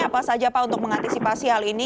apa saja pak untuk mengantisipasi hal ini